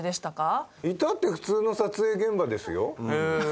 至って普通の撮影現場ですよ。